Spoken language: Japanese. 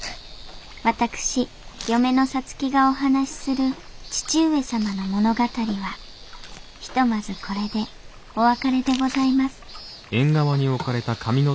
私嫁の皐月がお話しする義父上様の物語はひとまずこれでお別れでございます